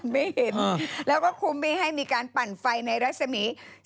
ไม่เห็นแล้วก็คุมไม่ให้มีการปั่นไฟในรัศมี